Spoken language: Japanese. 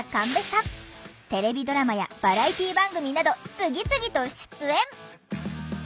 テレビドラマやバラエティー番組など次々と出演！